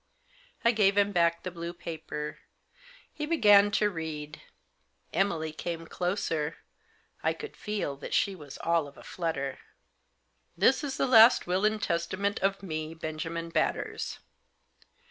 I gave him back the blue paper. He began to read. Emily came closer. I could feel that she was all of a flutter. "'This is the last will and testament of me, Benjamin Batters.